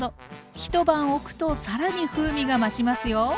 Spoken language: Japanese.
一晩おくと更に風味が増しますよ。